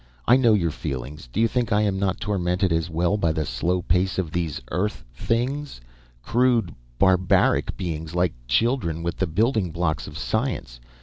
"I know your feelings. Do you think I am not tormented as well, by the slow pace of these Earth things? Crude, barbaric beings, like children with the building blocks of science.